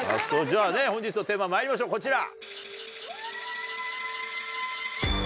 じゃあね本日のテーマまいりましょうこちら！